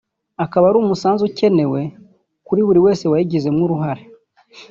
akaba ari umusanzu ukenewe kuri buri wese wayigizemo uruhare